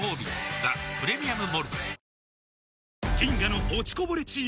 「ザ・プレミアム・モルツ」